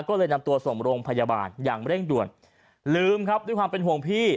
ก็เลยนำตัวส่งโรงพยาบาลอย่างเร่งด่วนลืมครับด้วยความเป็นห่วงพี่